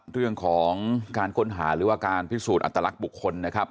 เรื่องของการค้นหาหรือว่าการพิสูจน์อัตลักษณ์บุคคลนะครับ